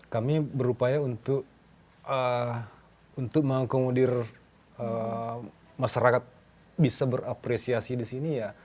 kami berupaya untuk mengakomodir masyarakat bisa berapresiasi di sini ya